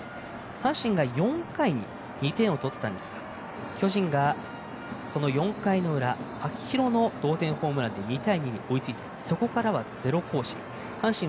阪神が２点を取ったんですが巨人が４回の裏秋広の同点ホームランで２対２に追いついています。